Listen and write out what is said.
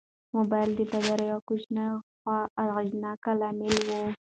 موبایل د بیدارۍ یو کوچنی خو اغېزناک لامل و.